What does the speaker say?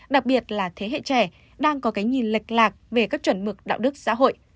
đặc biệt là thế hệ trẻ đang có cái nhìn lệch lạc về các chuẩn mực đạo đức xã hội